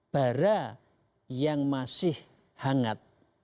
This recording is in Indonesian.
barah yang masih hangat